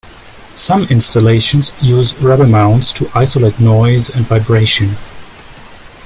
Some installations use rubber mounts to isolate noise and vibration.